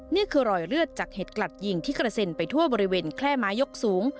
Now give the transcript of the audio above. นี่คือรอยเลือดจากเห็ดกลัดยิงที่กระเซ็นไปทั่วบริเวณแคล่ไม้ยกสูง